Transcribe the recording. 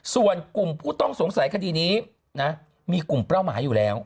ส่วนกลุ่มผู้ต้องสงสัยคดีนี้นะมีกลุ่มเป้าหมายอยู่แล้ว